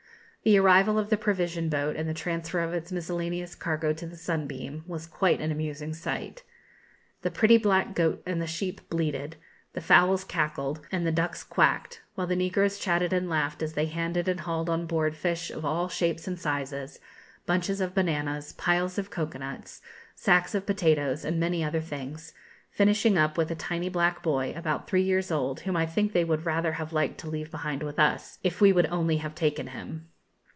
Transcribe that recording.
The arrival of the provision boat and the transfer of its miscellaneous cargo to the 'Sunbeam' was quite an amusing sight. The pretty black goat and the sheep bleated, the fowls cackled, and the ducks quacked, while the negroes chatted and laughed as they handed and hauled on board fish of all shapes and sizes, bunches of bananas, piles of cocoa nuts, sacks of potatoes, and many other things, finishing up with a tiny black boy, about three years old, whom I think they would rather have liked to leave behind with us, if we would only have taken him.